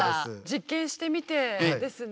実験してみてですね。